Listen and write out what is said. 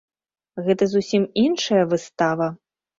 Гэта зусім іншая выстава!